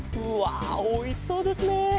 うわおいしそうですね。